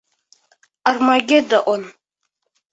Армагедо-он!